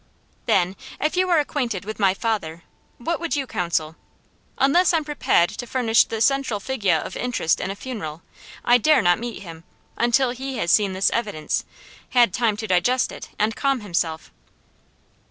"Then, if you are acquainted with my father, what would you counsel? Unless I'm prepahed to furnish the central figyah of interest in a funeral, I dare not meet him, until he has seen this evidence, had time to digest it, and calm himself."